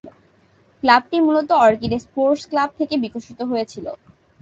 ক্লাবটি মূলত Orchid Sports Club থেকে বিকশিত হয়েছিল।